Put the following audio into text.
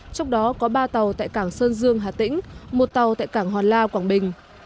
trong đó có ba tàu tại cảng sơn dương hà tĩnh một tàu tại cảng hòn la quảng bình